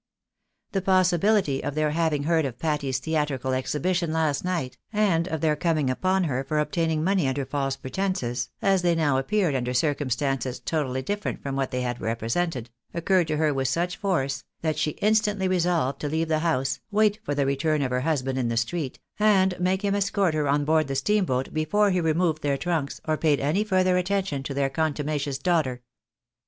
The possibility of their having heard of Patty's theatrical exhibition last night, and of their coming upon her for obtaining money imder false pretences, as they now ap peared under circumstances totally different from what they had represented, occurred to her with such force, that she instantly resolved to leave the house, wait for the return of her husband in the street, and make him escort her on board the steamboat before he removed their trunks, or paid any further attention to their contumacious daughter.